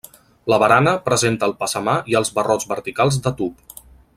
La barana presenta el passamà i els barrots verticals de tub.